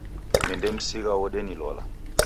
Nendamsigha wodenilola